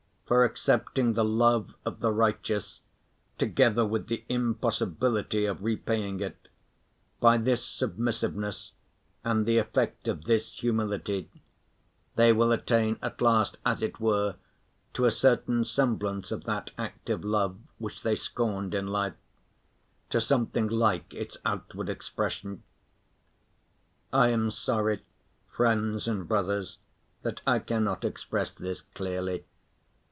For accepting the love of the righteous together with the impossibility of repaying it, by this submissiveness and the effect of this humility, they will attain at last, as it were, to a certain semblance of that active love which they scorned in life, to something like its outward expression.... I am sorry, friends and brothers, that I cannot express this clearly.